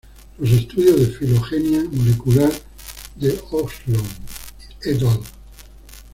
Los estudios de filogenia molecular de Ohlson "et al".